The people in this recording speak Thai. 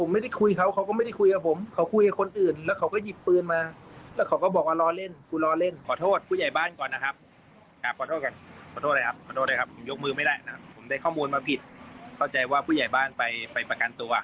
ไม่ได้นะครับผมได้ข้อมูลมาผิดเข้าใจว่าผู้ใหญ่บ้านไปประกันตัว